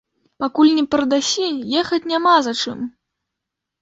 Пакуль не прадасі, ехаць няма за чым.